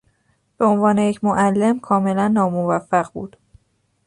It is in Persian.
به عنوان یک معلم کاملا ناموفق بود.